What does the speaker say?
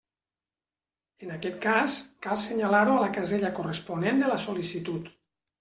En aquest cas, cal senyalar-ho a la casella corresponent de la sol·licitud.